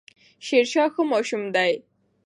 شيرشاه ښه ماشوم دی